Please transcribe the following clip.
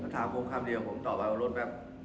ถ้าถามความคำดีของผมตอบมาว่ารถแบบ